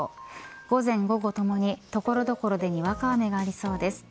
午前、午後ともに所々でにわか雨がありそうです。